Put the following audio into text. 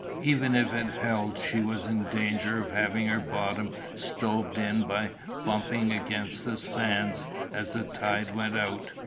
Even if it held she was in danger of having her bottom stove in by bumping against the sands as the tide went out.